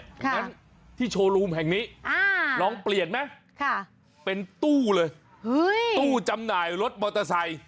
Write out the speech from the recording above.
งั้นที่โชว์รูมแห่งนี้ลองเปลี่ยนไหมเป็นตู้เลยตู้จำหน่ายรถมอเตอร์ไซค์